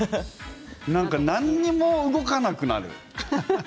何にも動かなくなる。